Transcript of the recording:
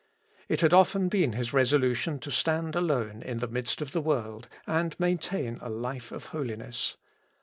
It had often been his resolution to stand alone in the midst of the world, and maintain a life of holiness.